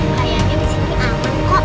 kayaknya di sini aman kok